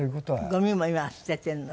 ごみも今は捨ててるの？